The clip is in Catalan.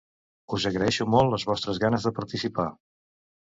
Us agraeixo molt les vostres ganes de participar!